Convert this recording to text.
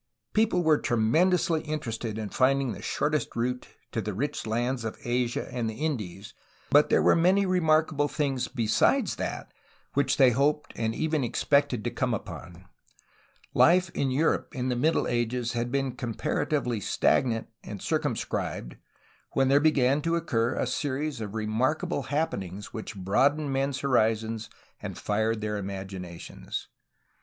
People were tremendously interested in finding the short est route to the rich lands of Asia and the Indies, but there were many remarkable things besides that which they hoped and even expected to come upon. Life in Europe in the Mid dle Ages had been comparatively stagnant and circum scribed, when there began to occur a series of remarkable happenings which broadened men's horizons and fired their imaginations.